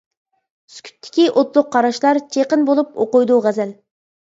سۈكۈتتىكى ئوتلۇق قاراشلار، چېقىن بولۇپ ئوقۇيدۇ غەزەل.